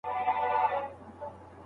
که قانون عملي شي نو حق نه خوړل کیږي.